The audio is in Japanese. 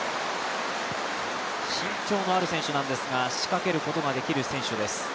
身長のある選手なんですが仕掛けることのできる選手です。